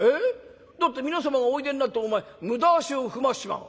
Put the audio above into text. だって皆様がおいでになってお前無駄足を踏ましちまう」。